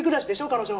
彼女。